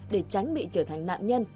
để tránh bị trở thành nạn nhân